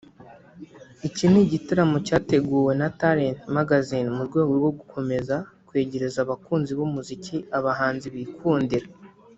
Iki ni igitaramo cyateguwe na Talent Magazine mu rwego rwo gukomeza kwegereza abakunzi b’umuziki abahanzi bikundira